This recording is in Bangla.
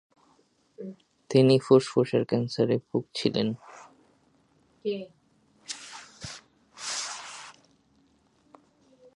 তিনি ফুসফুসের ক্যান্সারে ভুগছিলেন।